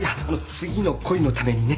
次の恋のためにね。